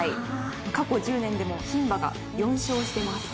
過去１０年でも牝馬が４勝してます。